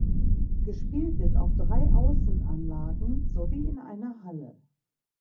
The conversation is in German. Gespielt wird auf drei Außenanlagen sowie in einer Halle.